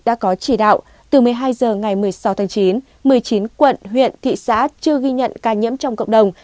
đã có chỉ đạo từ một mươi hai h ngày một mươi sáu tháng chín một mươi chín quận huyện thị xã chưa ghi nhận ca nhiễm trong cộng đồng